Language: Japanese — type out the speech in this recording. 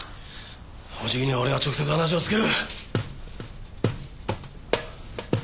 おじきには俺が直接話をつける。